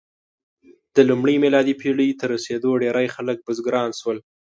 د لومړۍ میلادي پېړۍ تر رسېدو ډېری خلک بزګران شول.